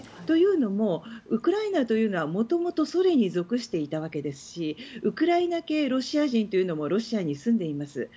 というのもウクライナというのは元々ソ連に属していたわけですしウクライナ系ロシア人というのもロシアに住んでいます。